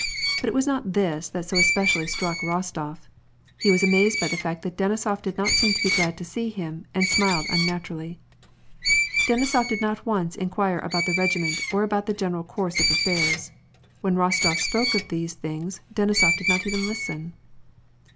But it was not this that so especially struck Rostof : he was amazed by the fact that Denisof did not seem to be glad to see him, and smiled unnaturally. Denisof did not once inquire about the regiment or about the general course of affairs. When Rostof spoke of these things, Denisof did not even listen.